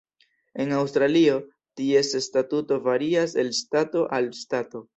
En Aŭstralio, ties statuso varias el ŝtato al ŝtato.